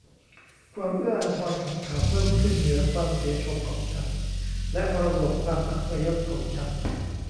ความเอื้ออาทรของเขาเพิ่มขึ้นเหนือความเสียโฉมของฉันและมรดกความอัปยศของฉัน